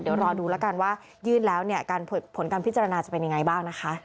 เดี๋ยวรอดูแล้วกันว่ายื่นแล้วเนี่ยผลการพิจารณาจะเป็นยังไงบ้างนะคะ